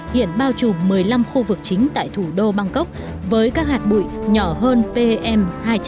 hiện bao trùm một mươi năm khu vực chính tại thủ đô bangkok với các hạt bụi nhỏ hơn pm hai năm